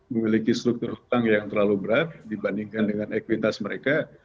memiliki struktur hutang yang terlalu berat dibandingkan dengan ekuitas mereka